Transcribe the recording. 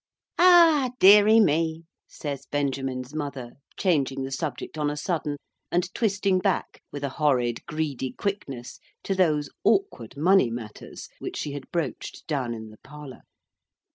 "Ah, deary me!" says Benjamin's mother, changing the subject on a sudden, and twisting back with a horrid, greedy quickness to those awkward money matters which she had broached down in the parlour.